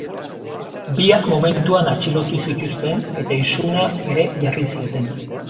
Biak momentuan atxilotu zituzten eta isuna ere jarri zieten.